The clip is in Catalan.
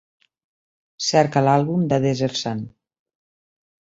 Cerca l'àlbum The Desert Sun